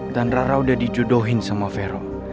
dan rara udah dijodohin sama vero